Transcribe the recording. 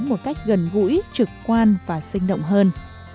một cách gần gũi trực quan và sinh động hơn